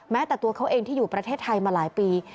แต่ตัวเขาเองที่อยู่ประเทศไทยมาหลายปี